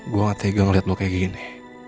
gue gak tega ngeliat gue kayak gini